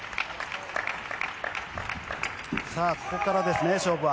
ここからですね、勝負は。